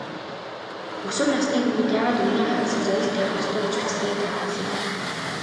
Өсвөр насны хүүхэд яагаад өмнөө ахадсан зорилт тавих ёстой гэж бичсэнээ тайлбарлая.